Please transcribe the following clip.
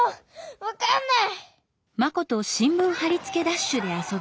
わかんない！